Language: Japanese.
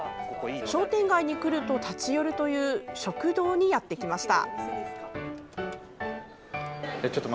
商店街に来ると立ち寄るという食堂にやってきました。